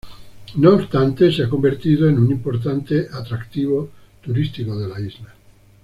No obstante se ha convertido en un importante atractivo turístico de la isla.